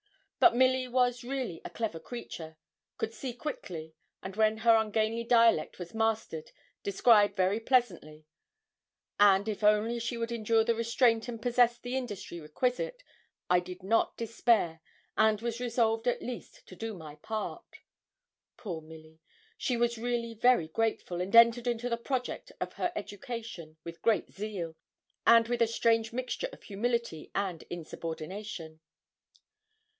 But Milly was really a clever creature, could see quickly, and when her ungainly dialect was mastered, describe very pleasantly; and if only she would endure the restraint and possessed the industry requisite, I did not despair, and was resolved at least to do my part. Poor Milly! she was really very grateful, and entered into the project of her education with great zeal, and with a strange mixture of humility and insubordination.